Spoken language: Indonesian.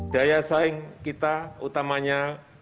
daya saing kita utamanya